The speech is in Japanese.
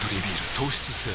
糖質ゼロ